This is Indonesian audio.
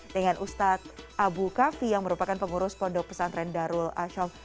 dengan ustadz abu kafi yang merupakan pengurus pondok pesantren darul asyam